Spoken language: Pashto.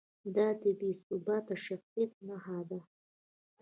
دا د بې ثباته شخصیت نښه ده.